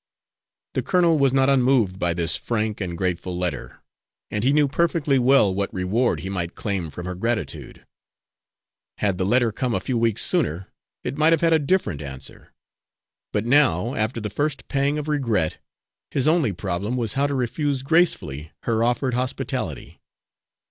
The colonel was not unmoved by this frank and grateful letter, and he knew perfectly well what reward he might claim from her gratitude. Had the letter come a few weeks sooner, it might have had a different answer. But, now, after the first pang of regret, his only problem was how to refuse gracefully her offered hospitality.